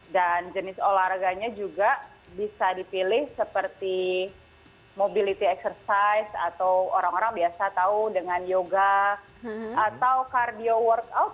dan jenis olahraganya juga bisa dipilih seperti mobility exercise atau orang orang biasa tahu dengan yoga atau cardio workout